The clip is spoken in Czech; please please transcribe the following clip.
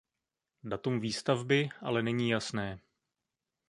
Datum výstavby ale není jasné.